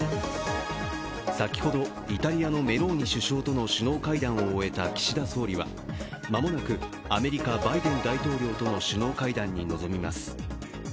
先ほど、イタリアのメローニ首相との首脳会談を終えた岸田総理は間もなく、アメリカ・バイデン大統領との首脳会談に臨みます。